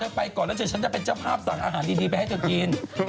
วันนี้ฉันจะเป็นเจ้าภาพสั่งอาหารดีไปให้เจ้ากิน